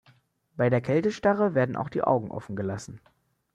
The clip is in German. Bei der Kältestarre werden auch die Augen offen gelassen.